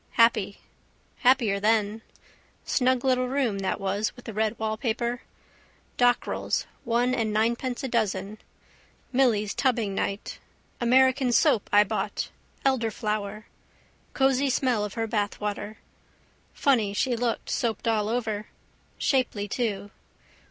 Happy. Happier then. Snug little room that was with the red wallpaper. Dockrell's, one and ninepence a dozen. Milly's tubbing night. American soap I bought: elderflower. Cosy smell of her bathwater. Funny she looked soaped all over. Shapely too.